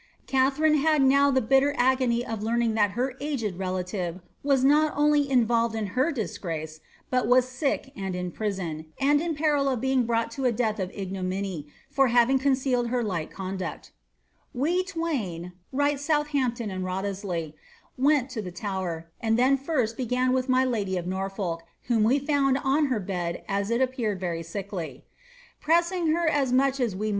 '" Katharine had now the bitter agnny of learning that her aged relativs >nly involved in her disgrace, but was sick and in prison, and aeril of being brought to a death of ignominy for having concealed Pl^ht conduct '"' twain," write Southampton and Wriothesley, " went to the ind then first began with my lady of Norfolk, whom we found BD her bed as il appeared very sickly. Pressing her as much as v^.